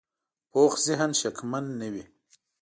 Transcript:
پوخ ذهن شکمن نه وي